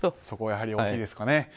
そこがやはり大きいですかね。